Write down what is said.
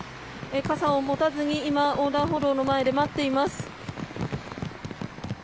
傘を持たずに横断歩道の前で待っています。